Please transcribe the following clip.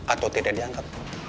atau tidak dianggap